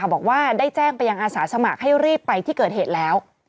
บอกว่าได้แจ้งไปยังอาสาสมัครให้รีบไปที่เกิดเหตุแล้ว